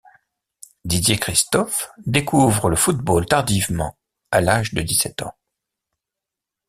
Didier Christophe découvre le football tardivement à l'âge de dix-sept ans.